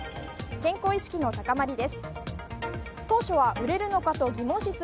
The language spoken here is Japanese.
健康意識の高まりです。